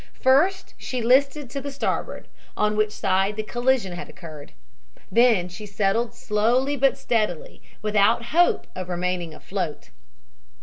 First she listed to the starboard, on which side the collision had occurred, then she settled slowly but steadily, without hope of remaining afloat.